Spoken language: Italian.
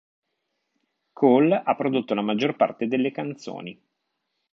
Cole ha prodotto la maggior parte delle canzoni.